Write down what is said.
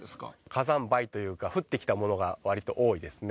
火山灰というか、降ってきたものがわりと多いですね。